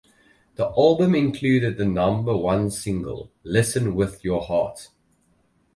The album included the number one single "Listen with Your Heart".